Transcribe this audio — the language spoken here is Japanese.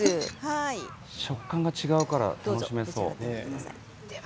食感が違うから楽しめそう。